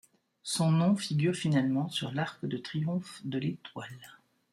Son nom figure finalement sur l’arc de triomphe de l'Étoile.